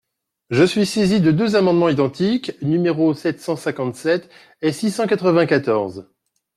Je suis saisi de deux amendements identiques, numéros sept cent cinquante-sept et six cent quatre-vingt-quatorze.